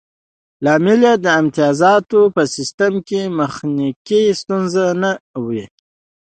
لامل یې د امتیازاتو په سیستم کې تخنیکي ستونزې نه وې